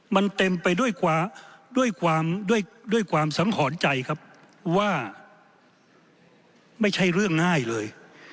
มันเต็มไปด้วยความสังหรณ์ใจครับว่าไม่ใช่เรื่องง่ายเลย